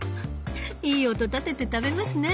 いい音立てて食べますね。